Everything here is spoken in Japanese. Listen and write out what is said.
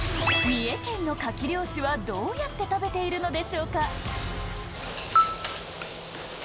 三重県のカキ漁師は、どうやって食べているのでしょうか。